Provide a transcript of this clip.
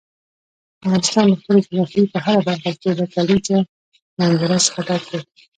افغانستان د خپلې جغرافیې په هره برخه کې له کلیزو منظره څخه ډک دی.